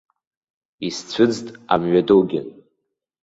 Исцәыӡт амҩадугьы.